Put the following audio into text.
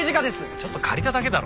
ちょっと借りただけだろ。